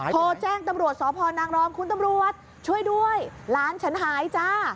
โทรแจ้งตำรวจสพนางรองคุณตำรวจช่วยด้วยหลานฉันหายจ้า